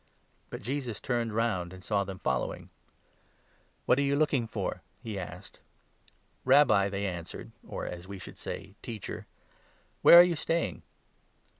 37 But Jesus turned round, and saw them following. . 38 " What are you looking for? " he asked. " Rabbi," they answered (or, as we should say, "Teacher"), " where are you staying